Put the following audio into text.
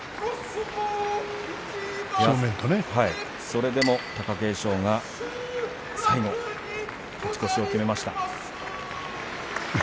それでも貴景勝が最後勝ち越しを決めました。